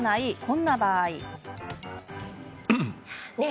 こんな場合。